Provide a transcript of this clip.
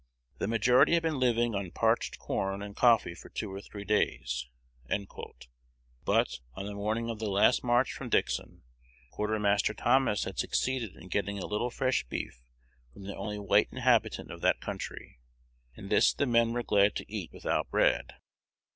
"The majority had been living on parched corn and coffee for two or three days;" but, on the morning of the last march from Dixon, Quartermaster Thomas had succeeded in getting a little fresh beef from the only white inhabitant of that country, and this the men were glad to eat without bread.